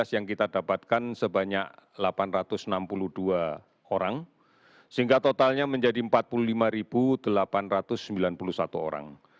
yang kita dapatkan sebanyak delapan ratus enam puluh dua orang sehingga totalnya menjadi empat puluh lima delapan ratus sembilan puluh satu orang